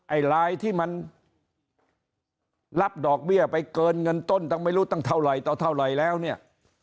ไอ้ลายที่มันรับดอกเบี้ยไปเกินเงินต้นตั้งไม่รู้ตั้งเท่าไหร่ต่อเท่าไหร่แล้วเนี่ย